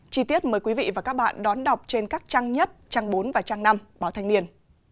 chi tiết mời quý vị và các bạn đón đọc trên các trang nhất trang bốn và trang năm báo thanh niên